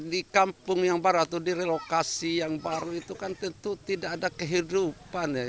di kampung yang baru atau di relokasi yang baru itu kan tentu tidak ada kehidupan ya